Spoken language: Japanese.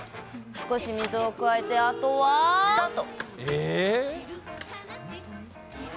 少し水を加えて、あとは、スタート。